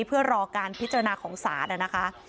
เพื่อรอการพิจารณาของศาลนะคะ